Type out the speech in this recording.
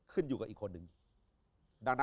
ครึ่งอยู่กับอีกคนนึง